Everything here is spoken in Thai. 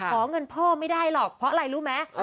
ขอเงินพ่อไม่ได้หรอกเพราะอะไรรู้ไหม